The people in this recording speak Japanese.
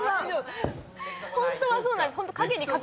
ホントはそうなんです。